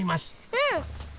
うん！